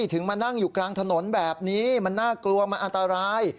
ถึงมานั่งอยู่กลางถนนแบบนี้มันน่ากลัวมันอันตราย